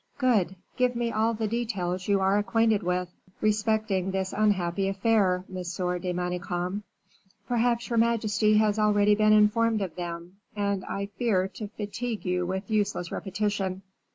"Good; give me all the details you are acquainted with, respecting this unhappy affair, Monsieur de Manicamp." "Perhaps your majesty has already been informed of them, and I fear to fatigue you with useless repetition."